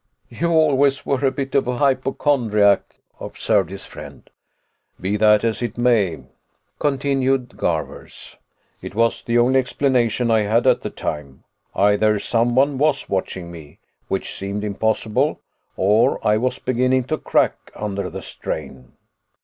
"You always were a bit of a hypochondriac," observed his friend. "Be that as it may," continued Garvers, "it was the only explanation I had at the time. Either someone was watching me, which seemed impossible, or I was beginning to crack under the strain.